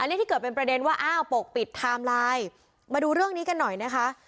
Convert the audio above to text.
นี่ที่เกิดเป็นประเด็นว่าอ้าวปกปิดไทม์ไลน์มาดูเรื่องนี้กันหน่อยนะคะ